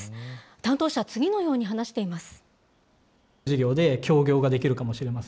担当者は次のように話しています。